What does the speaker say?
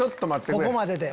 ここまでで。